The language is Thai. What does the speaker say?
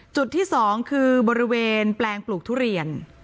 จุดที่๒คือบริเวณแปลงปลูกทุเรียน